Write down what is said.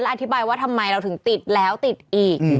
อธิบายว่าทำไมเราถึงติดแล้วติดอีก